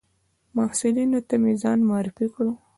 محصلینو ته مې ځان معرفي کړ.